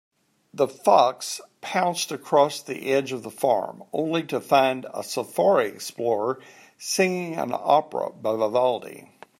The fox pounced across the edge of the farm, only to find a safari explorer singing an opera by Vivaldi.